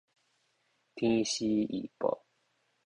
天時預報